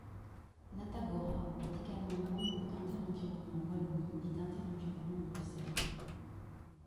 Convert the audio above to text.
Natagora est également membre d'Inter-Environnement Wallonie et d'Inter-Environnement Bruxelles.